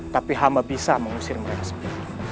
tapi hama bisa mengusir mereka sendiri